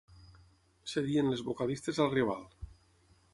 Cedien les vocalistes al rival.